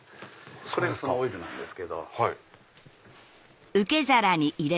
これがそのオイルなんですけど。